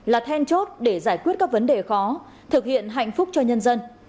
là then chốt để giải quyết các vấn đề khó thực hiện hạnh phúc cho nhân dân